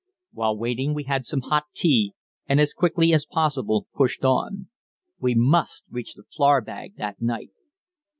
While waiting we had some hot tea, and as quickly as possible pushed on. We must reach the flour bag that night.